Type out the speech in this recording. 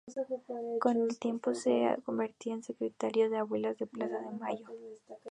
Con el tiempo se convertiría en secretario de Abuelas de Plaza de Mayo.